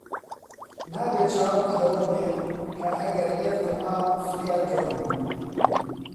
نابێ چاوت لەوە بێ کە ئەگەر لێت قەوما، فریات کەون